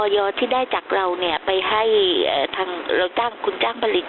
ใช่คือทุกอย่างเป็นของเราหมดเลย